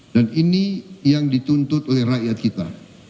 dan ini yang dituntut oleh rakyat kita